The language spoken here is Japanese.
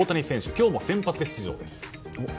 今日も先発出場です。